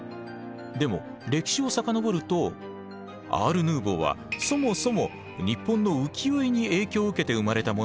でも歴史を遡るとアール・ヌーヴォーはそもそも日本の浮世絵に影響を受けて生まれたものなんです。